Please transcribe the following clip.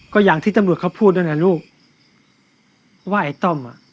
ก็อย่างที่ตำรวจเขาพูดนั่นแหละลูกว่าไอ้ต้อมอ่ะ